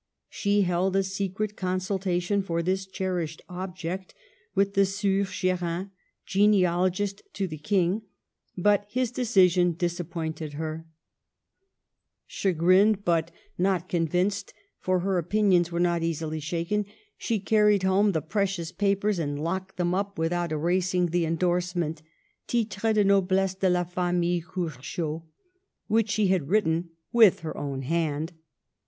She held a secret consultation for this cherished object with the Sieur Ch£rin, genealogist to the King ; but his decision disappointed her. Chagrined, but Digitized by VjOOQIC 4 MADAME DE STA&L. not convinced — for her opinions were not easily shaken — she carried home the precious papers and locked them up without, erasing the endorse ment, Titres de noblesse de la famille Curchod, which she had written with her own hand.